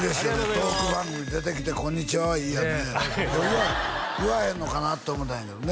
トーク番組出てきて「こんにちは」はいいよね言わへんのかな？と思ったんやけどね